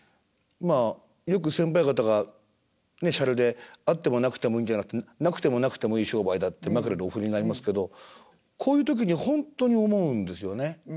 まあよく先輩方がねしゃれであってもなくてもいいんじゃなくてなくてもなくてもいい商売だって枕でお振りになりますけどこういう時に本当に思うんですよね。